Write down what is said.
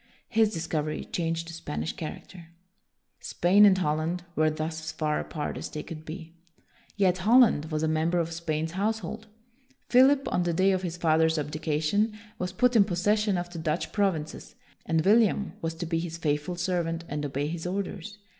His discovery changed the Spanish character. Spain and Holland were thus as far apart as they could be. Yet Holland was WILLIAM THE SILENT 181 a member of Spain's household. Philip, on the day of his father's abdication, was put in possession of the Dutch provinces, and William was to be his faithful serv ant and obey his orders.